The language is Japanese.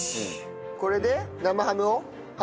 これで生ハムを半分。